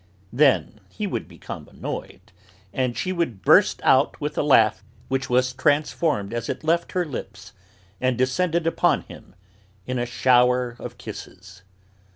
Then he would become annoyed, and she would burst out with a laugh which, was transformed, as it left her lips, and descended upon him in a shower of kisses.